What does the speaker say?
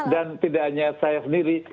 dan tidak hanya saya sendiri